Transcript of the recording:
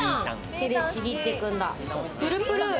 手でちぎっていくんだ、プルプル。